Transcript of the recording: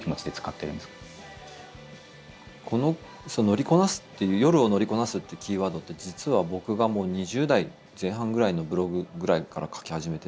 「乗りこなす」って「夜を乗りこなす」ってキーワードって実は僕がもう２０代前半ぐらいのブログぐらいから書き始めてるワードなんですよ。